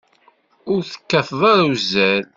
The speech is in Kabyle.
Ur tekkateḍ ara uzzal.